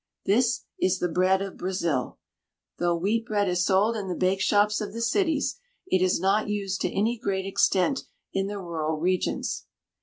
This is the bread of Brazil. Though wheat bread is sold in the bakeshops of the cities, it is not used to any great extent in the rural regions.